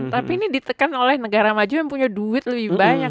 tapi ini ditekan oleh negara maju yang punya duit lebih banyak